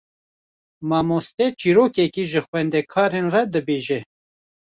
Mamoste çîrokekê ji xwendekaran re dibêje.